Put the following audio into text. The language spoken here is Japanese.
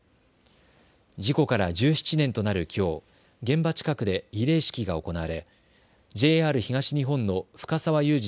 事故から１７年となるきょう、現場近くで慰霊式が行われＪＲ東日本の深澤祐二